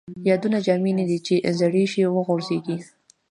یادونه جامې نه دي ،چې زړې شي وغورځيږي